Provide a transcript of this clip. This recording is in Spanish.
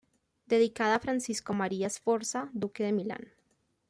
Dedicada a Francisco María Sforza, duque de Milán.